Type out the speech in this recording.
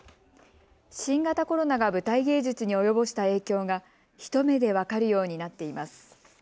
新型コロナが舞台芸術に及ぼした影響が一目で分かるようになっています。